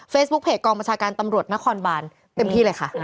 เฟซบุ๊กเพจกองประชาการตำรวจณคอนบาลเต็มที่เลยค่ะ